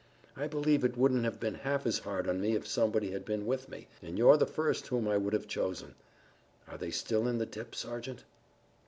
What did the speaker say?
I believe it wouldn't have been half as hard on me if somebody had been with me, and you're the first whom I would have chosen. Are they still in the dip, Sergeant?"